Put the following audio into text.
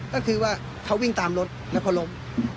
ก็คือว่าเขาวิ่งตามรถแล้วเขาล้ม